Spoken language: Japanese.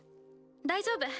大丈夫。